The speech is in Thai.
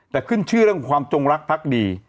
แต่ขึ้นชื่อเรื่องความจงรักพักดี